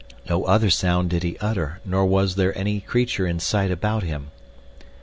No other sound did he utter nor was there any creature in sight about him.